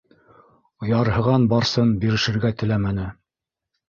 - Ярһыған Барсын бирешергә теләмәне.